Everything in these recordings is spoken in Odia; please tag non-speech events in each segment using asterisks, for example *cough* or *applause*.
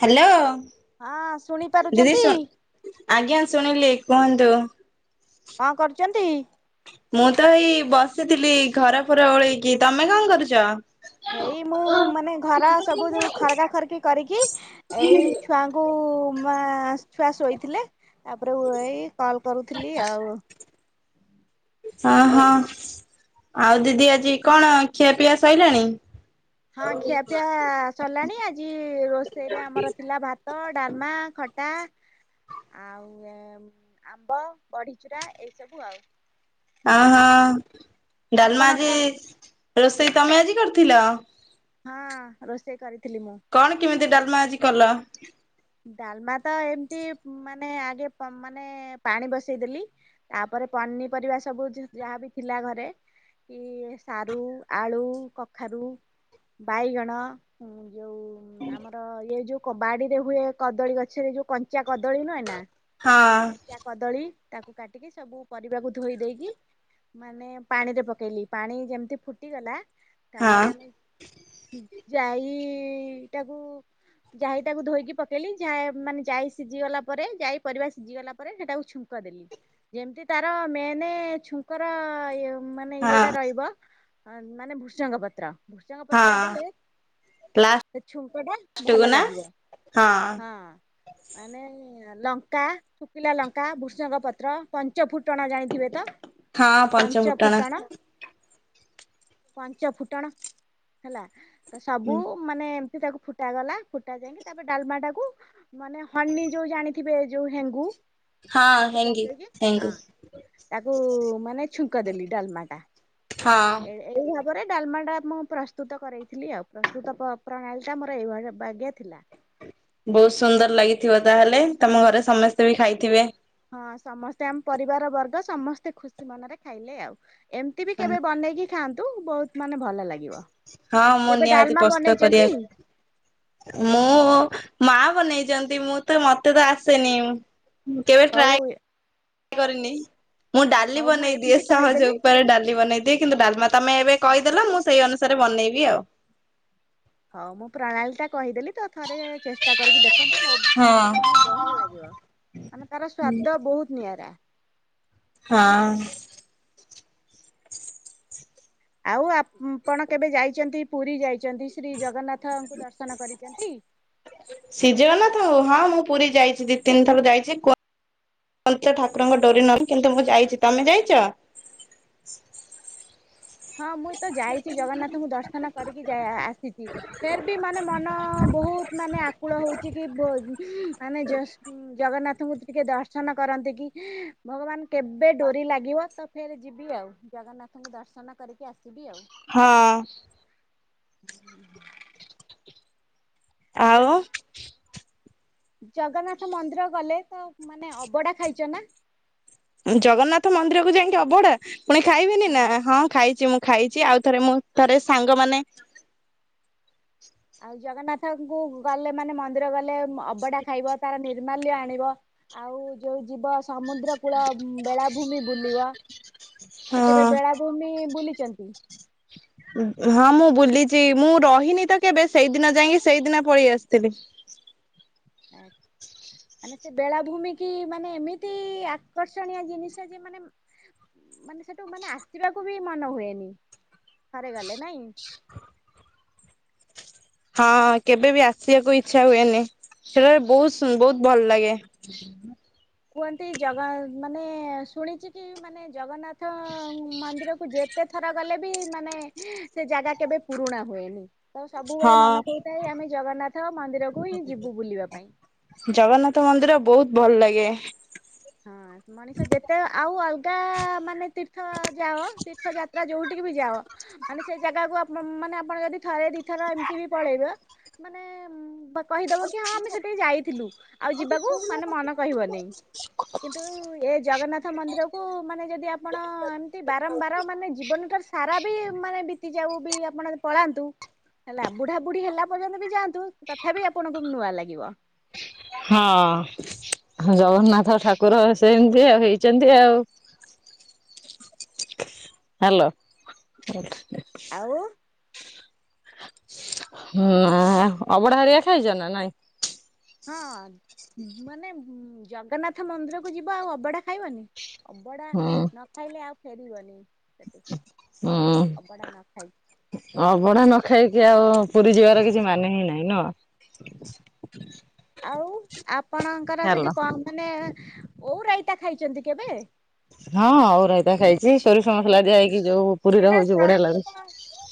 ହ୍ୟାଲୋ। ହଁ ଶୁଣି ଦିଦି ପାରୁଛନ୍ତି। ଶୁ ଆଜ୍ଞା ଶୁଣିଲି କୁହନ୍ତୁ। କଣ କରୁଛନ୍ତି? ମୁଁ ତ ଏଇ ବସିଥିଲି ଘର ଫର ଓଳେଇକି ତମେ କଣ କରୁଛ? ଏଇ ମୁଁ ମାନେ ଘର ସବୁ ଖରଗ ଖରଗି କରିକି ଏଇ ଛୁଆ ଙ୍କୁ ମା ଛୁଆ ଶୋଇଥିଲେ ତାପରେଇ ଏଇ କଲ୍ କରୁଥିଲି ଆଉ ଓ ହଁ ଆଉ ଦିଦି ଆଜି କଣ ଖିଆ ପିଆ ସଇଲାଣି? ହଁ ଖିଆ ପିଆ ସଲାଣି ଆଜି ରୋଷେଇରେ ଆମର ଥିଲା ଭାତ ଡାଲମା ଖଟା ଆଉ ଏ ଆମ୍ବ ବଢିଚୁରା ଏଇସବୁ ଆଉ ଅ ଆଉ ହଁ ଡାଲମା ଆଜି ଆପଣଙ୍କ ରୋଷେଇ ତମେ ଆଜି କରିଥିଲ? ହଁ ରୋଷେଇ କରିଥିଲି ମୁଁ। କଣ କେମିତି ଡାଲମା ଆଜି କଲ? ଡାଲମା ତ ଏମିତି ମାନେ ଆଗେ ମାନେ ପାଣି ବସେଇଦେଲି। ତାପରେ ପନିପରିବା ସବୁ ଯାହାବି ଥିଲା ଘରେ କି ସାରୁ ଆଳୁ କଖାରୁ ବାଇଗଣ ଯୋଉଁ ହଁ ଆମର ଇଏ ଯୋଉ ବାଡିରେ ହୁଏ କଦଳୀ ଗଛରେ ଯୋଉ କଞ୍ଚା କଦଳୀ ନୁହେଁ ନା ହଁ ତା କଦଳୀ ତାକୁ କାଟିକି ସବୁ ପରିବାକୁ ଧୋଇ ଦେଇକି ମାନେ ପାଣିରେ ପକେଇଲି ପାଣି ଯେମିତି ଫୁଟିଗଲା ହଁ ତାପରେ ଆମେ ଯାଇ ଟାକୁ ଯାଇ ଟାକୁ ଧୋଇକି ପ ଲି ଯା ମାନେ ଯାଇ ସିଝିଗଲା ପରେ ଯାଇ ପରିବା ସିଝିଗଲା ପରେ ସେଟାକୁ ଛୁଙ୍କ ଦେଲି ଯେମିତି ତାର ମେନେ ଛୁଙ୍କର ଇ ମାନେ ହଁ ଇଏଟା ରହିବ ମାନେ ଭୃଷଙ୍ଗ ପତ୍ର ଭୃସଙ୍ଗ ପତ୍ର ହଁ ଦେଲେ ସେ ଛୁଙ୍କ ଟା ଲାଷ୍ଟକୁ ଭଲ ନା ଲାଗିବ ହଁ ହଁ ମାନେ ଲଙ୍କା ସୁକିଲା ଲଙ୍କା ଭୃଷଙ୍ଗ ପତ୍ର ପଞ୍ଚ ଫୁଟଣ ଜାଣିଥିବେ ତ ହଁ ପଞ୍ଚ ଫୁଟଣ ପଞ୍ଚ ଫୁଟଣ ହେଲା ତ ସବୁ ମାନେ ଏମିତି ତାକୁ ଫୁଟାଗଲା ଫୁଟା ଯାଇକି ତାପରେ ଡାଲମା ଟାକୁ ମାନେ ହନି ଯୋଉ ଜାଣିଥିବେ ଯୋଉ ହେଙ୍ଗୁ ହଁ ତାକୁ ହେଙ୍ଗି ପକେଇକି ହଁ ହେଙ୍ଗୁ ତାକୁ ମାନେ ଛୁଙ୍କ ଦେଲି ଡାଲମା ଟା ହଁ ଏ ଏଇ ଭାବରେ ଡାଲମା ଟା ମୁଁ ପ୍ରସ୍ତୁତ କରେଇଥିଲି ଆଉ ପ୍ରସ୍ତୁତ ପ୍ରଣାଳୀ ଟା ମୋର ଏଇଭଳି ବାଗ୍ୟ ଥିଲା। ବହୁତ ସୁନ୍ଦର ଲାଗିଥିବ ତାହେଲେ ତମ ଘରେ ସମସ୍ତେ ବି ଖାଇଥିବେ। ହଁ ସମସ୍ତେ ଆମ ପରିବାର ବର୍ଗ ସମସ୍ତେ ଖୁସି ମନରେ ଖାଇଲେ ଆଉ ଏମିତି ବି କେବେ ବନେଇକି ଖାଆନ୍ତୁ ବହୁତ ମାନେ ଭଲ ଲାଗିବ ହଁ ମୁଁ କେବେ ନିହାତି ଡାଲମା ପ୍ରସ୍ତୁତ ବନେଇଛନ୍ତି? କରିବା ମୁଁ ମା ବନେଇଛନ୍ତି ମୁଁ ତ ମତେ ତ ଆସେନି। କେବେ ହଉ ଟ୍ରାଏ ମୁଁ ଡାଲି ହଉ ମୁଁ ବନେଇ ଦିଏ ଏମିତି ସହଜ କହିଦେଲି। ଉପରେ ଡାଲି ବନେଇ ଦି କିନ୍ତୁ ଡାଲମା ତମେ ଏବେ କହିଦେଲା ମୁଁ ସେଇ ଅନୁସାରେ ବନେଇବି ଆଉ ହଉ ମୁଁ ପ୍ରଣାଳୀ ଟା କହିଦେଲି ତ ଥରେ ଚେଷ୍ଟା କରିକି ଦେଖନ୍ତୁ ମୋ ହଁ। ମାନେ ବ ଲାଗିବ ମାନେ ତାର ସ୍ଵାଦ ବହୁତ ନିଆରା ହଁ ଆଉ ଆପଣ କେବେ ଯାଇଛନ୍ତି ପୁରୀ ଯାଇଛନ୍ତି ଶ୍ରୀ ଜଗନ୍ନାଥଙ୍କୁ ଦର୍ଶନ କରିଛନ୍ତି। ଶ୍ରୀଜଗନ୍ନାଥ ଙ୍କୁ ହଁ ମୁଁ ପୁରୀ ଯାଇଛି ଦି ତିନି ଥର ଯାଇଛି କୁ ଅ ତ ଠାକୁରଙ୍କ ଡୋରି ନହିଁ କିନ୍ତୁ ମୁଁ ଯାଇଛି ତମେ ଯାଇଛ ହଁ ମୁଁ ତ ଯାଇଛି ଜଗନ୍ନାଥଙ୍କୁ ଦର୍ଶନ କରିକି ଯାଇ ଆସିଛି। ଫେର୍ ବି ମାନେ ମନ ବହୁତ ମାନେ ଆକୁଳ ହଉଛି କି ମାନେ ଉଁ ଜଗନ୍ନାଥଙ୍କୁ ଟିକେ ଦର୍ଶନ କରନ୍ତି କି ଭଗବାନ କେବେ ଡୋରି ଲାଗିବ ତ ଫେର ଯିବି ଆଉ ଜଗନ୍ନାଥଙ୍କୁ ଦର୍ଶନ କରିକି ଆସିବି ଆଉ। ହଁ ହିଁ ଆଉ ଜଗନ୍ନାଥ ମନ୍ଦିର ଗଲେ ତ ମାନେ ଅବଢା ଖାଇଛ ନା ଜଗନ୍ନାଥ ମନ୍ଦିର କୁ ଯାଇକି ଅବଢା ପୁଣି ଖାଇବୁନି ନା ହଁ ଖାଇଛି ମୁଁ। ଖାଇଛି ଆଉ ଥରେ ମୁଁ ଥରେ ସାଙ୍ଗମାନେ ଆଉ ଜଗନ୍ନାଥଙ୍କୁ ଗଲେ ମାନେ ମନ୍ଦିର ଗଲେ ଅବଢା ଖାଇବ ତାର ନିର୍ମାଲ୍ୟ ଆଣିବ। ଆଉ ଯୋଉ ଯିବ ସମୁଦ୍ର କୂଳ ବେଳାଭୂମି ବୁଲିବ। ମାନେ ହଁ କେବେ ବେଳାଭୂମି ବୁଲିଛନ୍ତି? ହଁ ମୁଁ ବୁଲିଛି ମୁଁ ରହିନି ତ କେବେ ସେଇଦିନ ଯାଇକି ସେଇଦିନ ପଳେଇ ଆସିଥିଲି। *unintelligible* ମାନେ ସେ ବେଳାଭୂମି କି ମାନେ ଏମିତି ଆକର୍ଷଣୀୟ ଜିନିଷ ଯେ ମାନେ ମାନେ ସେଠୁ ମାନେ ଆସିବାକୁ ବି ମନ ହୁଏନି ଥରେ ଗଲେ ନାଇଁ। ହଁ କେବେ ବି ଆସିବାକୁ ଇଛା ହୁଏନି ସେଟା ବହୁତ ବହୁତ ଭଲ ଲାଗେ। କୁହନ୍ତି ଜଗା ମାନେ ଶୁଣିଛି କି ମାନେ ଜଗନ୍ନାଥ ମନ୍ଦିର କୁ ଯେତେ ଥର ଗଲେ ବି ମାନେ ସେ ଜାଗା କେବେ ପୁରୁଣା ହୁଏନି। ତ ସବୁବେଳେ ମନେ ହଁ କହୁଥାଏ ଆମେ ଜଗନ୍ନାଥ ମନ୍ଦିରକୁ ହିଁ ଯିବୁ ବୁଲିବା ପାଇଁ। ଜଗନ୍ନାଥ ମନ୍ଦିର ବହୁତ ଭଲ ଲାଗେ। ହଁ। ମଣିଷ ଯେତେ ଆଉ ଅଲଗା ମାନେ ତୀର୍ଥ ଯାଅ ତୀର୍ଥ ଯାତ୍ରା ଯୋଉଠିକି ବି ଯାଅ ମାନେ ସେଇ ଜାଗାକୁ ଆପ ମାନେ ଆପଣ ଯଦି ଥରେ ଦିଇଥର ଏମିତି ବି ପଳେଇବେ ମାନେ କହିଦବ କି ହଁ ଆମେ ସେଠିକି ଯାଇଥିଲୁ ଆଉ ଯିବାକୁ ମାନେ ମନ କହିବନି। କିନ୍ତୁ ଏ ଜଗନ୍ନାଥ ମନ୍ଦିରକୁ ମାନେ ଯଦି ଆପଣ ଏମିତି ବାରମ୍ବାର ମାନେ ଜୀବନଟା ସାରା ବି ମାନେ ବିତି ଯାଉ ବି ଆପଣ ପଳାନ୍ତୁ ହେଲା ବୁଢା ବୁଢୀ ହେଲା ପର୍ଯ୍ୟନ୍ତ ବି ଯାଆନ୍ତୁ ତଥାପି ଆପଣଙ୍କୁ ନୂଆ ଲାଗିବ। ହଁ ଜଗନ୍ନାଥ ଠାକୁର ସେମତି ଆଉ ହେଇଛନ୍ତି ଆଉ। ହ୍ୟାଲୋ। ଆଉ ନା ଅବଢା ହାରିଆ ଖାଇଛ ନା ନାଇଁ ହଁ ମାନେ ଜଗନ୍ନାଥ ମନ୍ଦିରକୁ ଯିବ ଆଉ ଅବଢା ଖାଇବନି। ଅବଡା ହୁଁ ନ ଖାଇଲେ ଆଉ ଫେରିବନି। ହୁଁ। ଅବଢା ନ ଖାଇକି ଅବଢା ନ ଖାଇକି ଆଉ ପୁରୀ ଯିବାର କିଛି ମାନେ ହିଁ ନାହିଁ ନୁହଁ। ଆଉ ଆପଣଙ୍କର ହଁ ସେଠି ପନ୍ ମାନେ ଓଉ ରାଇତା ଖାଇଛନ୍ତି କେବେ? ହଁ ଓଉ ରାଇତା ଖାଇଚି ସୋରିଷ ଆମର ମସଲା ଦିଆ ହେଇକି ଯୋଉ ପୁରୀରେ ହଉଛି ବଢିଆ ଲାଗୁଛି।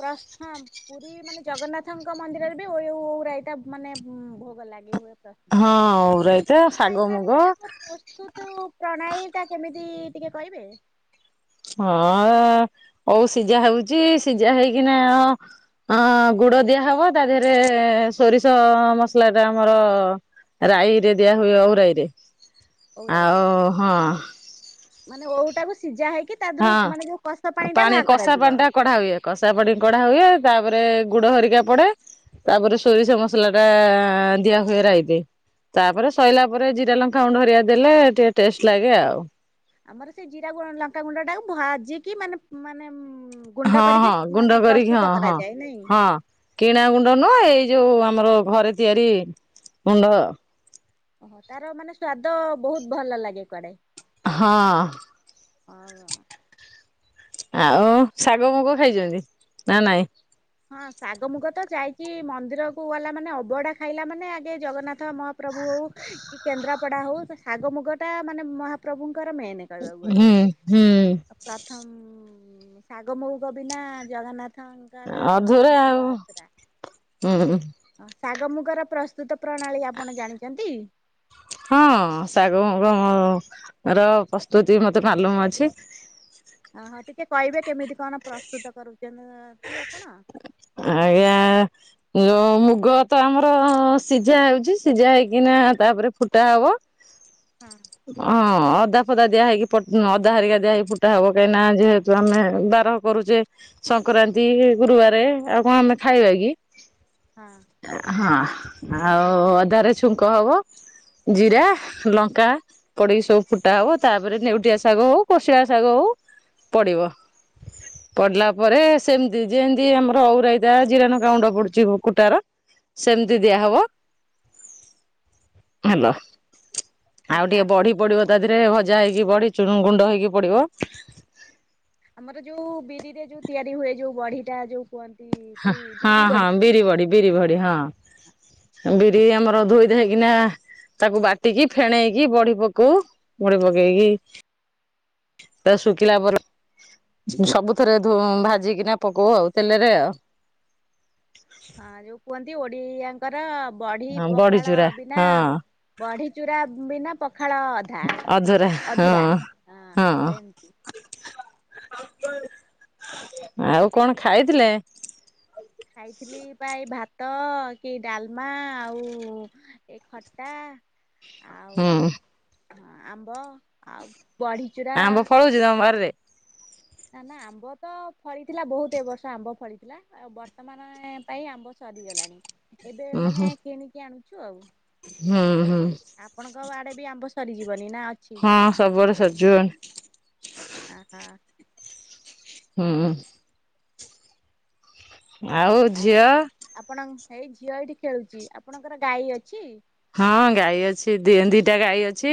ପ୍ରଶ୍ନମ୍ ପୁରୀ ମାନେ ଜଗନ୍ନାଥଙ୍କ ମନ୍ଦିରରେ ବି ଓୟୁ ଓଉ ରାଇତା ମାନେ ଭୋଗ ଲାଗି ହୁଏ। ହଁ ଓଉରାଇତା ଓଉ ଶାଗ ରାଇତା ବି ମୁଗ ପ୍ରସ୍ତୁ ପ୍ରସ୍ତୁତୁ ପ୍ରଣାଳୀ ଟା କେମିତି ଟିକେ କହିବେ? ହଁ ଓଉ ସିଝା ହଉଛି ସିଝା ହେଇକିନା ହଁ ଗୁଡ ଦିଆହବ ତା ଦେହରେ ସୋରିଷ ମସଲା ଟା ଆମର ରାଇରେ ଦିଆ ହୁଏ ଓଉ ରାଇରେ ଓଉ ରାଇରେ ଆଉ ହଁ। ମାନେ ଓଉଟାକୁ ସିଝା ହେଇକି ତା ଦେହରୁ ହଁ। ମାନେ ଯୋଉ କଷା ପାଣି ଟା ବାହା କଷା ପାଣି କରାଯିବ। ଟା କଢା ହୁଏ କଷା ପାଣି କଢା ହୁଏ ତାପରେ ଗୁଡ ହରିକା ପଡେ। ତାପରେ ସୋରିଷ ମସଲା ଟା ଦିଆ ହୁଏ ରାଇରେ। ତାପରେ ସଇଲା ପରେ ଜିରା ଲଙ୍କା ଗୁଣ୍ଡ ହରିକା ଦେଲେ ଟିକେ ଟେଷ୍ଟ ଲାଗେ ଆଉ। ଆମର ସେ ଜିରା ଗୁ ଲଙ୍କାଗୁଣ୍ଡ ଟାକୁ ଭାଜିକି ମାନେ ମାନେ ଉଁ ଗୁଣ୍ଡ ହଁ କରିକି ହଁ ଗୁଣ୍ଡ ମାନେ କରିକି ପ୍ରସ୍ତୁତ ହଁ ହଁ କରାଯାଏ ନାଇଁ। ହଁ। କିଣା ଗୁଣ୍ଡ ନୁହଁ ଏଇ ଯୋଉ ଆମର ଘରେ ତିଆରି ଗୁଣ୍ଡ। ଓହୋ ତାର ମାନେ ସ୍ଵାଦ ବହୁତ୍ ଭଲ ଲାଗେ କୁଆଡେ ହଁ। ହଁ। ଆଉ ଶାଗ ମୁଗ ଖାଇଛନ୍ତି ନା ନାଇଁ। ହଁ ଶାଗ ମୁଗ ତ ଯାଇଚି ମନ୍ଦିର କୁ ଗଲା ମାନେ ଅବଡା ଖାଇଲା ମାନେ ଆଗେ ଜଗନ୍ନାଥ ମହା ମହାପ୍ରଭୁ ହଉ କି କେନ୍ଦ୍ରାପଡା ହଉ ଶାଗ ମୁଗ ଟା ମାନେ ମହାପ୍ରଭୁଙ୍କର ମେନ୍। କହିବାକୁ ଗଲେ ହୁଁ ହୁଁ ଆ ପ୍ରଥମ୍ ଶାଗ ମହୁକ ବିନା ଜଗନ୍ନାଥଙ୍କ ଅଧୁରା ଆଉ ହୁଁ। ହଁ ଶାଗ ମୁଗର ପ୍ରସ୍ତୁତ ପ୍ରଣାଳୀ ଆପଣ ଜାଣିଚନ୍ତି? ହଁ ଶାଗ ମୁଗ ମର ପ୍ରସ୍ତୁତି ମତେ ମାଲୁମ ଅଛି। ଅ ହଁ ଟିକେ କହିବେ କେମିତି କଣ ପ୍ରସ୍ତୁତ କରୁଛନ୍ତି ଆପଣ? ଆଜ୍ଞା। ଏ ଯୋଉ ମୁଗ ତ ଆମର ସିଝା ହଉଚି ସିଝା ହେଇକିନା ତାପରେ ଫୁଟା ହବ। ହଁ। ହଁ ଅଦା ଫଦା ଦିଆ ହେଇକି ଅଦା ହାରିକା ଦିଆ ହେଇକି ଫୁଟା ହବ କାହିଁକିନା ଯେହେ ଯୋଉ ଆମେ ଦାର କରୁଚେ ସଂକ୍ରାନ୍ତି ଗୁରୁବାରେ ଆଉ କଣ ଆମେ ଖାଇବା କି? ହଁ। ହଁ ଆଉ ଅଦାରେ ଛୁଙ୍କ ହବ ଜିରା, ଲଙ୍କା ପଡିକି ସବୁ ଫୁଟା ହବ ତାପରେ ନେଉଟିଆ ଶାଗ ହଉ କୋଶିଳା ଶାଗ ହଉ ପଡିବ। ପଡିଲା ପରେ ସେମିତି ଯେମିତି ଆମର ଔ ରାଇତା ଜିରା ଲଙ୍କାଉଣ୍ଡ ପଡୁଛି କୁଟାର। ସେମିତି ଦିଆହବ। ହାଲୋ ଆଉ ଆଚ୍ଛା। ଟିକେ ବଢି ପଡିବ ତା ଦେହରେ ଭଜା ହେଇକି ବଢି ଚୁନ ଗୁଣ୍ଡ ହେଇକି ପଡିବ। ଆମର ଯୋଉ ବିରିରେ ଯୋଉ ତିଆରି ହୁଏ ଯୋଉ ବଢିଟା ଯୋଉ କୁହନ୍ତି। କି ହାଁ ବିରି ହାଁ ହାଁ ବଢି ବିରି ବଡି ବିରି ବଡି ହଁ। ବିରି ଆମର ଧୋଇଧାଇକିନା। ତାକୁ ବାଟିକି ଫେଣେଇକି ବଢି ପକଉ। ବଢି ପକେଇକି ତା ଶୁକିଲା ପରେ ସବୁଥରେ ଧୋଁ ଭାଜିକିନା ପକଉ ଆଉ ତେଲରେ ଆଉ। ହଁ ଯୋଉ କୁହନ୍ତି ଓଡିଆଙ୍କର ବଢି ପଖାଳ ବଢିଚୁରା ବିନା ହଁ ବଢି ଚୁରା ବିନା ପଖାଳ ଅଧା। ପୁରା ହଁ। ଅଧୁରା ହଁ ସେମତି। ଆଉ କଣ ଖାଇଥିଲେ? ଖାଇଥିଲି ପ୍ରାୟ ଭାତ କି ଡାଲମା ଆଉ ଏ ଖଟା। ଆଉ ହୁଁ। ଆମ୍ବ ଆଉ ବଢି। ଆମ୍ବ ଫଳଉଚ ତମ ବାରି ରେ ନା ନା ଆମ୍ବ ତ ଫଳିଥିଲା ବହୁତ୍ ଏ ବର୍ଷ ଆମ୍ବ ଫଳିଥିଲା। ଆଉ ବର୍ତ୍ତମାନ ଆଏଁ ପାଇଁ ଆମ୍ବ ସରିଗଲାଣି ଏବେ ମାନେ କିଣିକି ଆଣୁଛୁ ଆଉ। ହଁ ହୁଁ। ଆପଣଙ୍କ ଆଡେ ବି ଆମ୍ବ ସରିଯିବନି ନା? ଅଛି? ହାଁ ସବୁଆଡେ ସରିଯିବ। ଆ ହା। ହୁଁ। ଆଉ ଝିଅ? ଆପଣଙ୍କ ଏଇ ଝିଅ ଏଇଠି ଖେଳୁଚି। ଆପଣଙ୍କର ଗାଈ ଅଛି? ହଁ ଗାଈ ଅଛି ଦିଁ ଦିଟା ଗାଈ ଅଛି।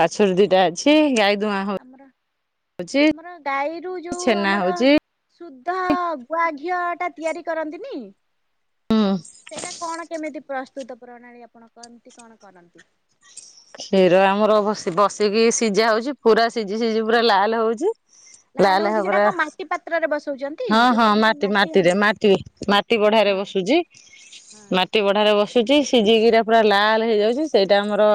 ବାଛୁରୀ ଦିଟା ଅଛି ଗାଈ ଦୁଆଁ ଆମର ହଉ-ଚି। ଆମର ଗାଈରୁ ଯୋଉ ଛେନା ଆମର ହଉଚି। ଶୁଦ୍ଧ ଗୁଆ ଘିଅ ଟା ତିଆରି କରନ୍ତିନି। ସେଇଟା କଣ କେମିତି ପ୍ରସ୍ତୁତ ପ୍ରଣାଳୀ ଆପଣ କମତି କଣ କରନ୍ତି। କ୍ଷୀର ଆମର ବସି ବସିକି ସିଜା ହଉଚି ପୁରା ସିଜି ସିଜି ପୁରା ଲାଲ୍ ହଉଚି। ଲାଲ୍ ହଉଚି ସେଟା କଣ ମାଟି ପାତ୍ରରେ ବସଉଚନ୍ ହଁ ହଁ ମାଟି ମାଟିରେ ମାଟି ମାଟି ବଢାରେ ହଁ ବସୁଚି। ହଁ ମାଟି ବ ଠାରେ ବସୁଚି ସିଜିକିରା ପୁରା ଲାଲ୍ ହେଇଯାଉଚି ସେଇଟା ଆମର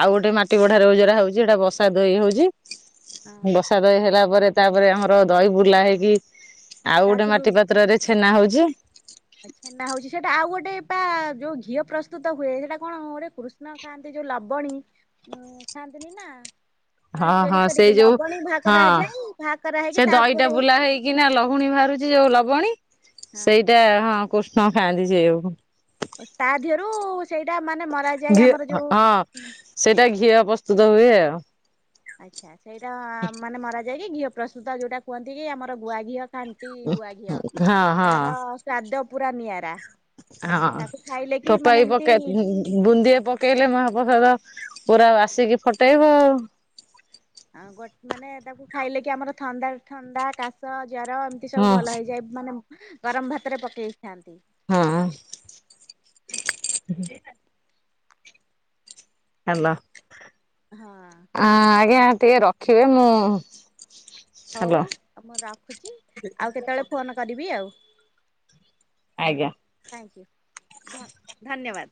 ଆଉ ଗୋଟେ ମାଟି ବଢାରେ ରଇ ଉଜରା ହଉଚି ଏଇଟା ବସା ଦଇ ହଉଚି। ହଁ ବସା ଦହି ହେଲା ପରେ ତାପରେ ଆମର ଦହି ବୁଲା ହେଇକି ଆଉ ତା ଗୋଟିଏ ମାଟି ପାତ୍ରରେ ଛେନା ହଉଚି। ଏ ଛେନା ହଉଚି ସେଟା ଆଉ ଗୋଟେ ପା ଯୋଉ ଘିଅ ପ୍ରସ୍ତୁତ ହୁଏ ସେଇଟା କଣ ଗୋଟାଏ କୃଷ୍ ନା ଖାଆନ୍ତି ଯୋଉ ଲବଣୀ ଉଁ ଖାଆନ୍ତିନି ନା? ମାନେ ହଁ ଚୋରି ହଁ ସେ କରିକି ଯୋଉ ଲବଣୀ ବାହା ହଁ କରାଯାଏ ବାହା କରା ହେଇକି ସେ ଦହିଟା ତାପରେ ବୁଲା ହେଇକି ନା ଲହୁଣୀ ଭାଆରୁ ଯିଏ ଓ ଲବଣୀ ହଁ ସେଇଟା ହଁ କୃଷ୍ଣ ଖାଆନ୍ତି ସେଆକୁ। ତା ଧିଅରୁ ସେଇଟା ମାନେ ମରା ଯାଏ ଘିଅ ଆମର ହଁ ଯୋଉ ସେଇଟା ଘିଅ ପ୍ରସ୍ତୁତ ହୁଏ ଆଉ। ଆଚ୍ଛା ସେଇଟା ମାନେ ମାରା ଯାଇକି ଘିଅ ପ୍ରସ୍ତୁତ ଯୋଉଟା କୁହନ୍ତି କି ଆମର ଗୁଆ ଘିଅ। ଖାଣ୍ଟି ଗୁଆ ଘିଅ ହଁ ହଁ ତାର ସ୍ଵାଦ ପୁରା ନିଆରା। ତାକୁ ଖାଇଲେ କି ମାନେ ଏମତି ବୁନ୍ଦିଆ ପକେଇଲେ ମହାପ୍ରସାଦ ପୁରା ଆସିକି ଫଟେଇବ ଆଉ। ଆଁ ଗୋ ମାନେ ତାକୁ ଖାଇଲେ କି ଆମର ଥଣ୍ଡା ଥଣ୍ଡା କାଶ ଜର ସବୁ ଭଲ ହେଇଯାଏ ମାନେ ଗରମ ଭାତରେ ପକେଇଥାନ୍ତି। ହଁ ହଁ। ହାଲୋ ହଁ। ଆ ଆଜ୍ଞା ଟିକିଏ ରଖିବେ ମୁଁ ହ୍ୟାଲୋ ହଉମୁଁ ରଖୁଛି ଆଉ କେତେବେଳେ ଫୋନ୍ କରିବି ଆଉ ଆଜ୍ଞା। ଥ୍ୟାଙ୍କୟୁ ଧ ଧନ୍ୟବାଦ।